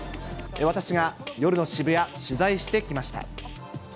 私が夜の渋谷、取材してきました。